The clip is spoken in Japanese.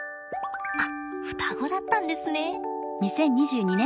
あっ双子だったんですね！